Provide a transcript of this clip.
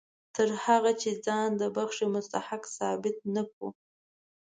تر هغه چې ځان د بښنې مستحق ثابت نه کړو.